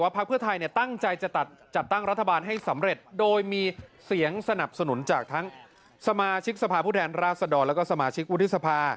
เพราะฉะนั้นราศดรและสมาชิกวุฒิสภา